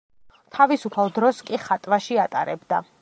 თავისუფალ დროს კი ხატვაში ატარებდა.